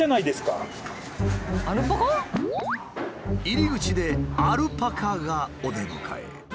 入り口でアルパカがお出迎え。